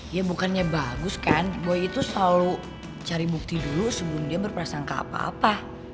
ya bukannya bagus kan boy itu selalu cari bukti dulu sebelum dia berprasangka apa apa